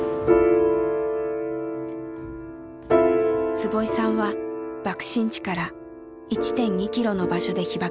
坪井さんは爆心地から１．２キロの場所で被爆。